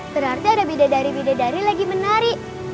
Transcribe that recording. terarti ada bidadari bidadari lagi menari